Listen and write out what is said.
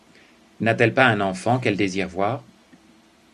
N'a-t-elle pas un enfant qu'elle désire voir?